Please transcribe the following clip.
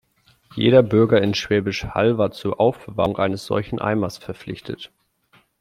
Jeder Bürger in Schwäbisch Hall war zur Aufbewahrung eines solchen Eimers verpflichtet.